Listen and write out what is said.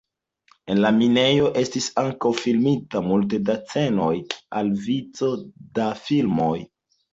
En la minejo estis ankaŭ filmita multe da scenoj al vico da filmoj.